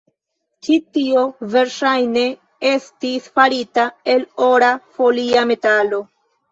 Ĉi tio verŝajne estis farita el ora folia metalo.